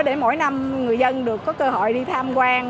để mỗi năm người dân được có cơ hội đi tham quan